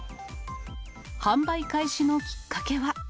販売開始のきっかけは。